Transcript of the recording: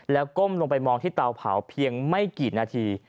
แล้วก้มลงไปมองที่เตาเผาเพียงไม่กี่นาที